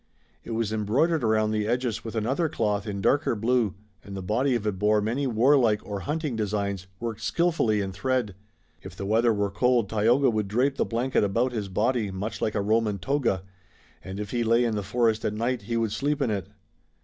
It was embroidered around the edges with another cloth in darker blue, and the body of it bore many warlike or hunting designs worked skillfully in thread. If the weather were cold Tayoga would drape the blanket about his body much like a Roman toga, and if he lay in the forest at night he would sleep in it.